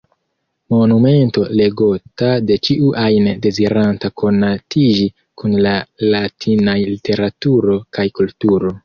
Monumento legota de ĉiu ajn deziranta konatiĝi kun la latinaj literaturo kaj kulturo.